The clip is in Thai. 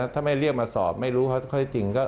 ถ้าไม่เรียกมาสอบไม่รู้ข้อที่จริง